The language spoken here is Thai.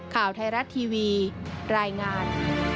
ข่าวไทยรัฐทีวีรายงาน